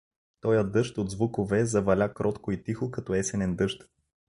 Тоя дъжд от звукове заваля кротко и тихо като есенен дъжд.